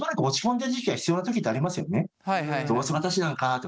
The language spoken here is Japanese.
どうせ私なんかと。